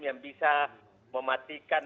yang bisa mematikan